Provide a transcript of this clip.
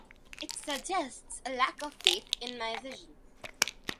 It suggests a lack of faith in my vision.